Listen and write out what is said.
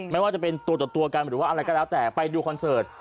ไม่ว่าจะเป็นตัวต่อตัวกันหรือว่าอะไรก็แล้วแต่ไปดูคอนเสิร์ต